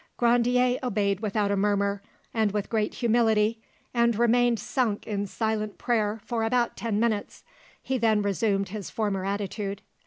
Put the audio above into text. Grandier obeyed without a murmur and with great humility, and remained sunk in silent prayer for about ten minutes; he then resumed his former attitude.